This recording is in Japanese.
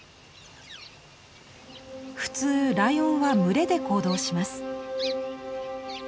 普通ライオンは群れで行動します。